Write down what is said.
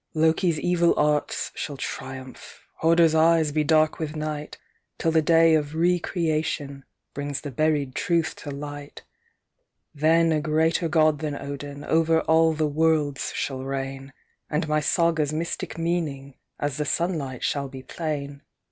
Loke s evil arts shall triumph, Border s eyes be dark with night, Till the day of re creation Brings the buried Truth to liijjit : O O Then a greater god than Odin, Over all the worlds shall reign, And my Saga s mystic meaning, As the sunlight shall be plain.